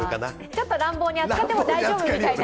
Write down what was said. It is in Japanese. ちょっと乱暴に扱っても大丈夫とか。